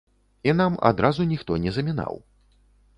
І нам адразу ніхто не замінаў.